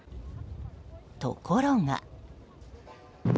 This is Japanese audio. ところが。